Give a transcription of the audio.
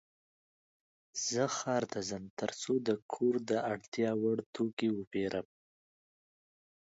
زه ښار ته ځم ترڅو د کور د اړتیا وړ توکې وپيرم.